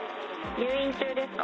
入院中ですか？